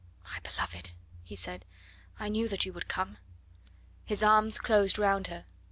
"My beloved," he said, "I knew that you would come." His arms closed round her.